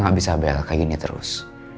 kita gak bisa bel kayak gini terus